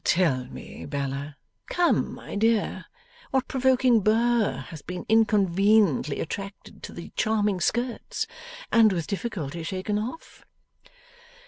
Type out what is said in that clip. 'Tell me, Bella. Come, my dear. What provoking burr has been inconveniently attracted to the charming skirts, and with difficulty shaken off?